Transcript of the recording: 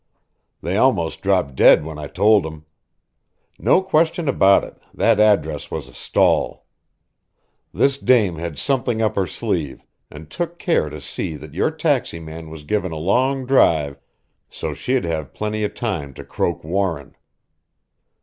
They almost dropped dead when I told 'em. No question about it, that address was a stall. This dame had something up her sleeve, and took care to see that your taxi man was given a long drive so she'd have plenty of time to croak Warren."